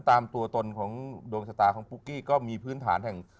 ตามตัวตนของดวงชะตาของปุ๊กกี้ก็มีพื้นฐานแห่ง